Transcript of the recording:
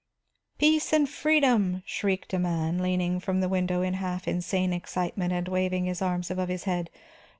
"For peace and freedom!" shrieked a man, leaning from the window in half insane excitement and waving his arms above his head.